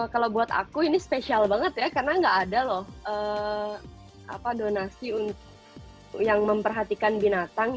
kalau buat aku ini spesial banget ya karena nggak ada loh donasi yang memperhatikan binatang